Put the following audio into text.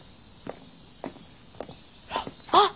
あっ！